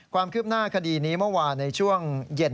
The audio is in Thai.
ความคืบหน้าคดีนี้เมื่อวานในช่วงเย็น